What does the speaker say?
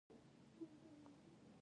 شیدې سپینې دي.